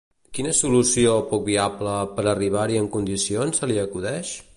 Quina solució, poc viable, per arribar-hi en condicions se li acudeix?